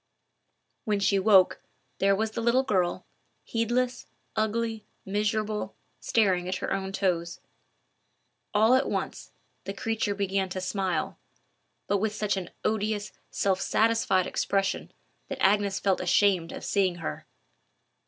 When she woke, there was the little girl, heedless, ugly, miserable, staring at her own toes. All at once, the creature began to smile, but with such an odious, self satisfied expression, that Agnes felt ashamed of seeing her.